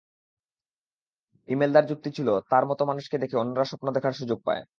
ইমেলদার যুক্তি ছিল, তাঁর মতো মানুষকে দেখে অন্যরা স্বপ্ন দেখার সুযোগ পায়।